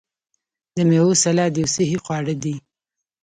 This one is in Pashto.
د میوو سلاد یو صحي خواړه دي.